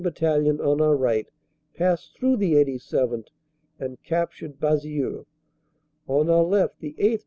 Battalion on our right passed through the 87th. and captured Basieux. On our left the 8th.